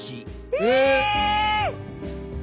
え！